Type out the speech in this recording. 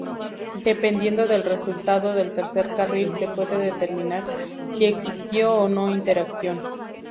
Dependiendo del resultado del tercer carril se puede determinar si existió o no interacción.